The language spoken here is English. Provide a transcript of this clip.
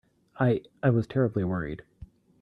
I—I was terribly worried.